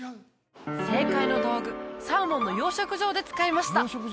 正解の道具サーモンの養殖場で使いました